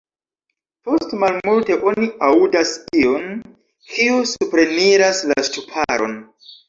Post malmulte oni aŭdas iun, kiu supreniras la ŝtuparon.